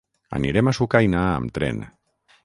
Anirem a Sucaina amb tren.